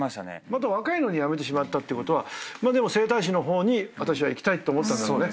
まだ若いのに辞めてしまったってことは整体師の方に私は行きたいって思ったんだろうね。